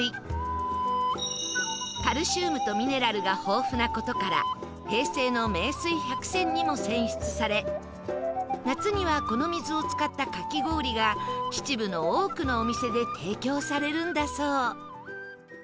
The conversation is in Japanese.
カルシウムとミネラルが豊富な事から平成の名水百選にも選出され夏にはこの水を使ったかき氷が秩父の多くのお店で提供されるんだそう